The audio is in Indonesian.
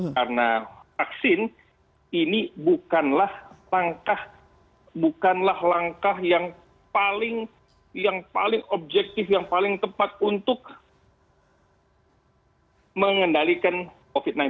karena vaksin ini bukanlah langkah yang paling objektif yang paling tepat untuk mengendalikan covid sembilan belas